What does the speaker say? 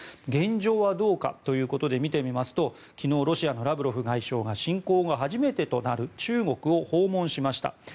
現状はどうかということで見てみますと昨日、ロシアのラブロフ外相が侵攻後初めてとなる中国を訪問しました。